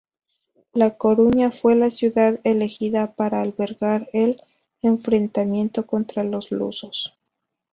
La Coruña fue la ciudad elegida para albergar el enfrentamiento contra los lusos.